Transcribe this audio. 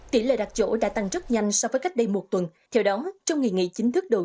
tỷ lệ đặt chỗ đã tăng rất nhanh so với cách đây một tuần theo đó trong ngày nghị chính thức đầu